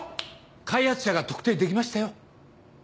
開発者が特定できましたよ。